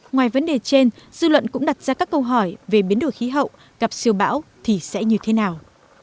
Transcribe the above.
ngoài vấn đề trên dư luận cũng đặt ra các câu hỏi về biến đổi khí hậu gặp siêu bão thì sẽ như thế nào